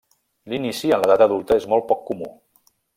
L'inici en l'edat adulta és molt poc comú.